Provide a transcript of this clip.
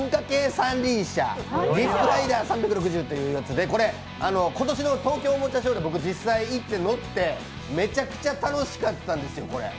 三輪車、リップライダー３６０というやつでこれ、今年の東京おもちゃショーで実際に行って乗って、めちゃくちゃ楽しかったんですよ、これ。